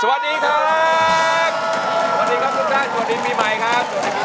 สวัสดีครับทุกท่านสวัสดีพี่ไมค์ครับ